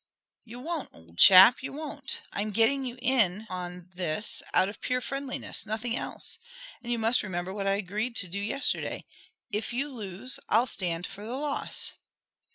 "You won't, old chap you won't. I'm getting you in on this out of pure friendliness, nothing else; and you must remember what I agreed to do yesterday if you lose, I'll stand for the loss."